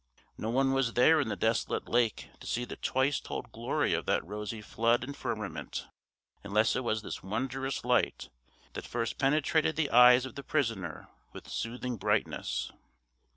No one was there in the desolate lake to see the twice told glory of that rosy flood and firmament, unless it was this wondrous light that first penetrated the eyes of the prisoner with soothing brightness.